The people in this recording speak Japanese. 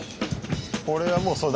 これはもうそう。